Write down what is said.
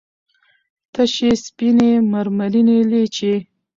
تشې سپينې مرمرينې لېچې